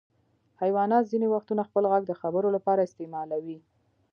حیوانات ځینې وختونه خپل غږ د خبرو لپاره استعمالوي.